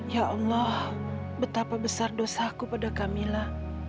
ya allah betapa besar dosaku pada kamila